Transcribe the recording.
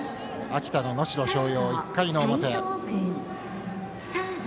秋田の能代松陽、１回の表。